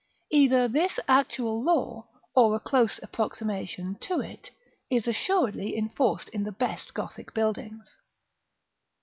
Either this actual law, or a close approximation to it, is assuredly enforced in the best Gothic buildings.